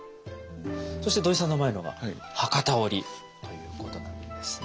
そして土井さんの前のが博多織ということなんですね。